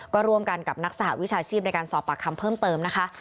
ก็ร่วมกันกับนักสหวิชาชีพในการสอบปากคำเพิ่มเติมนะคะ